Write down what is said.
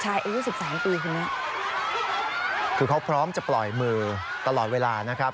อายุสิบสามปีคนนี้คือเขาพร้อมจะปล่อยมือตลอดเวลานะครับ